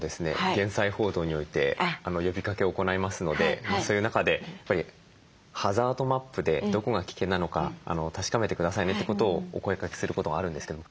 減災報道において呼びかけを行いますのでそういう中で「ハザードマップでどこが危険なのか確かめて下さいね」ってことをお声かけすることがあるんですけども。